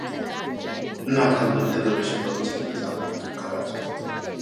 Ina kallon talabijin lokacin da na sami hutun karatu.